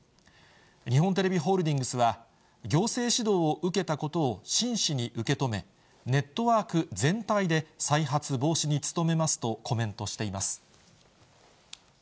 日本テレビホールディングスは、行政指導を受けたことを真摯に受け止め、ネットワーク全体で再発防止に努めますとコメントしています。